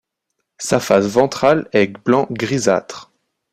Sa face ventrale est blanc grisâtre.